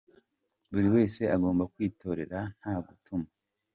Buri wese agomba kwitorera nta gutuma.